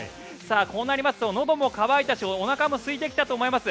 こうなりますと、のども乾いたしおなかもすいてきたと思います。